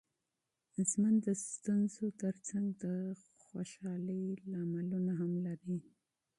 ژوند د ستونزو ترڅنګ د خوښۍ سببونه هم لري.